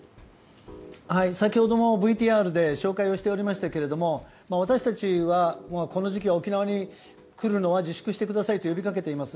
先ほども、ＶＴＲで紹介をしておりましたけれども私たちは、この時期沖縄に来るのは自粛してくださいと呼びかけています。